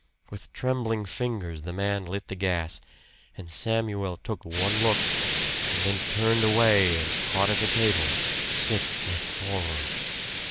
With trembling fingers the man lit the gas; and Samuel took one look, and then turned away and caught at a table, sick with horror.